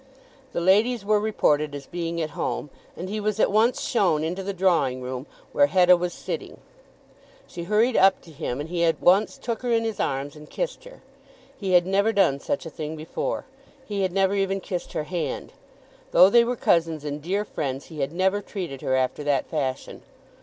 The ladies were reported as being at home, and he was at once shown into the drawing room, where Hetta was sitting. She hurried up to him, and he at once took her in his arms and kissed her. He had never done such a thing before. He had never even kissed her hand. Though they were cousins and dear friends, he had never treated her after that fashion.